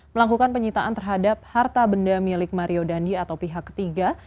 melakukan penyitaan terhadap harta benda milik mario dandi atau pihak ketiga